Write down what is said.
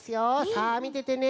さあみててね。